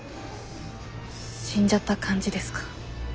死んじゃった感じですか？